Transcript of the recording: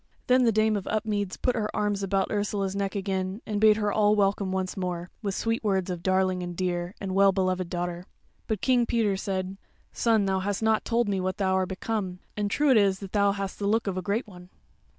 Then the Dame of Upmeads put her arms about Ursula's neck again, and bade her all welcome once more, with sweet words of darling and dear, and well beloved daughter. But King Peter said: "Son, thou hast not told me what thou are become; and true it is that thou hast the look of a great one."